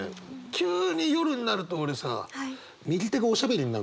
急に夜になると俺さ右手がおしゃべりになるんだよ。